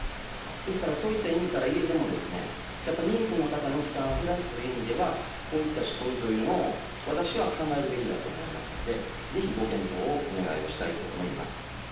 ですからそういった意味から言うても、妊婦の方の負担を減らすという意味では、こういった仕組みというのを、私は考えるべきだと思いますので、ぜひご検討をお願いをしたいと思います。